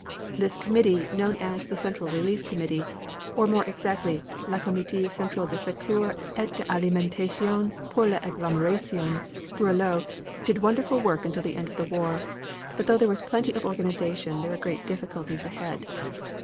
This committee, known as the Central Relief Committee, or more exactly La Comite Central de Secours et d'Alimentation pour l'Agglomeration bruxelloise, did wonderful work until the end of the war. But though there was plenty of organization there were great difficulties ahead.